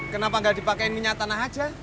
kenapa ga dipakein minyak tanah aja